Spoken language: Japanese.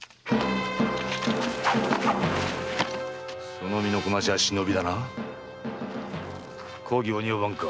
その身のこなしは忍びだな公儀お庭番か。